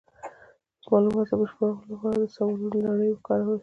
د معلوماتو د بشپړولو لپاره د سوالونو لړۍ وکاروئ.